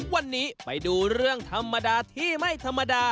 วันนี้ไปดูเรื่องธรรมดาที่ไม่ธรรมดา